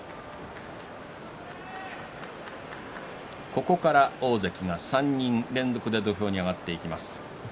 ここから大関が３人連続で土俵に上がっていきます。